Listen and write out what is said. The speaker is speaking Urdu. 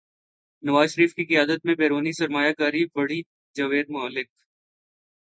نواز شریف کی قیادت میں بیرونی سرمایہ کاری بڑھی جاوید ملک